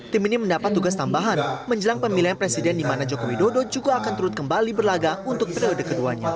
tim ini mendapat tugas tambahan menjelang pemilihan presiden di mana joko widodo juga akan turut kembali berlaga untuk periode keduanya